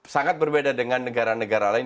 sangat berbeda dengan negara negara lain